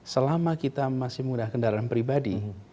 selama kita masih menggunakan kendaraan pribadi